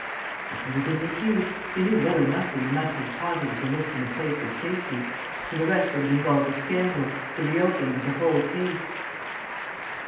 "What would have been the use? They knew well enough that he must have deposited the list in a place of safety. His arrest would have involved a scandal, the reopening of the whole case...."